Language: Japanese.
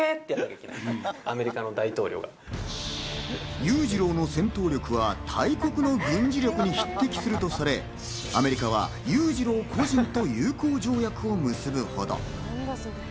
勇次郎の戦闘力は大国の軍事力に匹敵するとされ、アメリカは勇次郎個人と友好条約を結ぶほど。